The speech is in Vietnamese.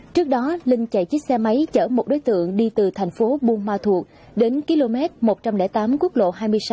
trước đó linh chạy chiếc xe máy chở một đối tượng đi từ thành phố buôn ma thuột đến km một trăm linh tám quốc lộ hai mươi sáu